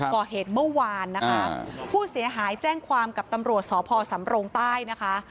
ก่อเหตุเมื่อวานนะคะผู้เสียหายแจ้งความกับตำรวจสพสำโรงใต้นะคะ